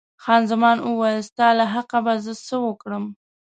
خان زمان وویل، ستا له حقه به زه څه وکړم.